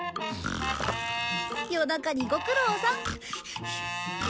夜中にご苦労さん。